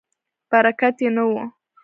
برکت یې نه و.